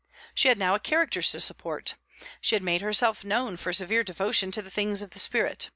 She had now a character to support; she had made herself known for severe devotion to the things of the spirit.